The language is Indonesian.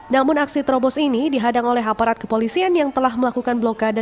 namun aksi terobos ini dihadang oleh aparat kepolisian yang telah melakukan blokade